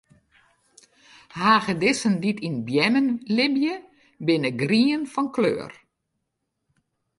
Hagedissen dy't yn beammen libje, binne grien fan kleur.